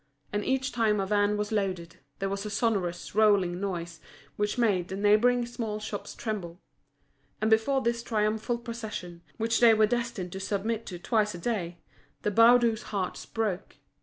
And each time a van was loaded, there was a sonorous, rolling noise, which made the neighbouring small shops tremble. And before this triumphal procession, which they were destined to submit to twice a day, the Baudus' hearts broke.